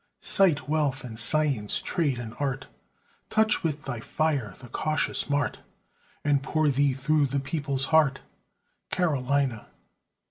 Cite wealth and science, trade and art, Touch with thy fire the cautious mart, And pour thee through the people's heart, Carolina!